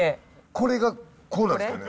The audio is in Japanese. これがこうなんですかね？